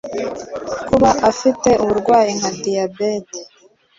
kuba ufite uburwayi nka diyabete